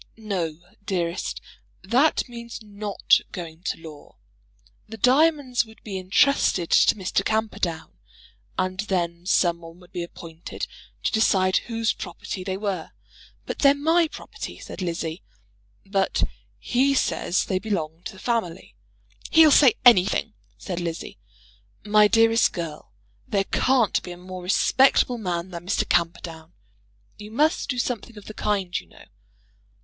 "No, dearest, that means not going to law. The diamonds would be entrusted to Mr. Camperdown. And then some one would be appointed to decide whose property they were." "They're my property," said Lizzie. "But he says they belong to the family." "He'll say anything," said Lizzie. "My dearest girl, there can't be a more respectable man than Mr. Camperdown. You must do something of the kind, you know."